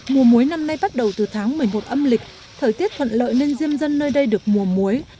mùa muối năm nay bắt đầu từ tháng một mươi một âm lịch thời tiết thuận lợi nên diêm dân nơi đây được mùa muối